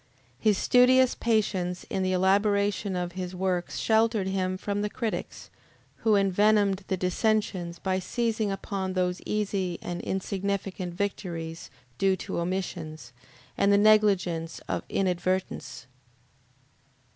His studious patience in the elaboration of his works sheltered him from the critics, who envenomed the dissensions by seizing upon those easy and insignificant victories due to omissions, and the negligence of inadvertence.